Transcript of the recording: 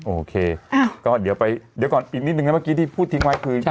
โอเคก็เดี๋ยวก่อนอีกนิดนึงนะเมื่อกี้ที่พูดทิ้งไว้คือ